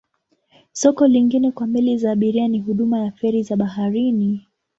Soko lingine kwa meli za abiria ni huduma ya feri za baharini.